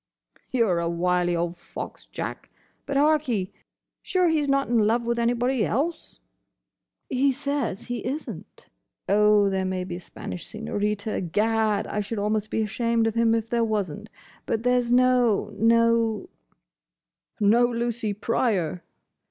"You 're a wily old fox, Jack. But, hark'ee! Sure he's not in love with anybody else?" "He says he is n't. Oh, there may be a Spanish Senorita!—Gad! I should almost be ashamed of him if there wasn't!—But there's no—no—" "No Lucy Pryor?"